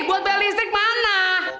buat bayar listrik mana